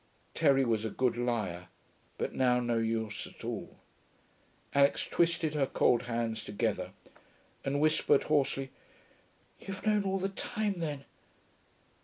Terry was a good liar, but now no use at all. Alix twisted her cold hands together and whispered hoarsely, 'You've known all the time, then....